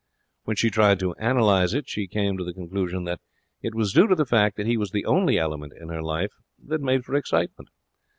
When she tried to analyse it, she came to the conclusion that it was due to the fact that he was the only element in her life that made for excitement.